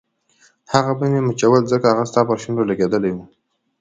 هغه به مې مچول ځکه هغه ستا پر شونډو لګېدلي وو.